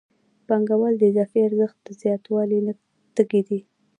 پانګوال د اضافي ارزښت د زیاتوالي تږی دی